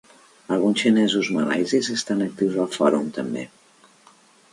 Alguns xinesos malaisis estan actius al fòrum, també.